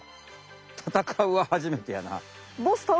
戦うははじめてやな。